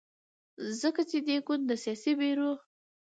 ځکه چې دې ګوند د سیاسي بیرو